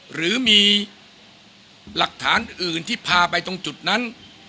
หรือมีหลักฐานอื่นที่พาไปตรงจุดนั้น